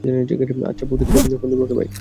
আচ্ছা পৌছে ফোন দিবো ওকে বাই।